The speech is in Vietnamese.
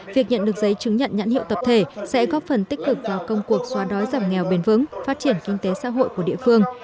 việc nhận được giấy chứng nhận nhãn hiệu tập thể sẽ góp phần tích cực vào công cuộc xóa đói giảm nghèo bền vững phát triển kinh tế xã hội của địa phương